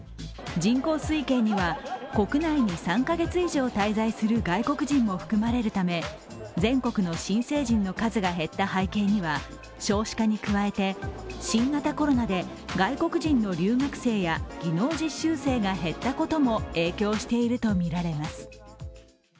人口推計には国内に３カ月以上滞在する外国人も含まれるため全国の新成人の数が減った背景には少子化に加えて、新型コロナで外国人の留学生や技能実習生が減ったことも影響しているとみられます。